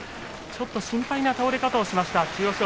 ちょっと心配な倒れ方をしました、千代翔